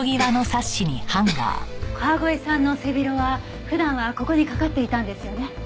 川越さんの背広は普段はここに掛かっていたんですよね？